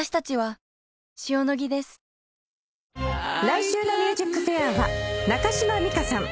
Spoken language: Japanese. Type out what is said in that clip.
来週の『ＭＵＳＩＣＦＡＩＲ』は中島美嘉さん。